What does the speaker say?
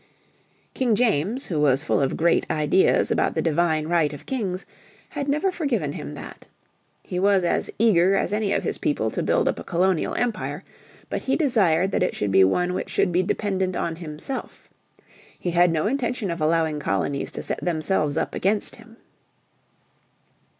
King James, who was full of great ideas about the divine right of kings, had never forgiven him that. He was as eager as any of his people to build up a colonial Empire, but he desired that it should be one which should be dependent on himself. He had no intention of allowing colonies to set themselves up against him.